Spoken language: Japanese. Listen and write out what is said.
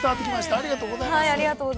ありがとうございます。